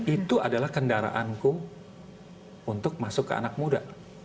itu adalah kendaraanku untuk masuk ke anak muda